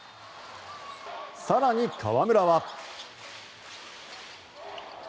更に、河村は。